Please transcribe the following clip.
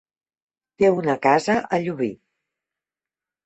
Té una casa a Llubí.